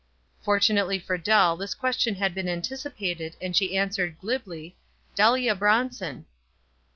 Fortunately for Dell this question had been anticipated, and she answered, glibly, — "Delia Bronson."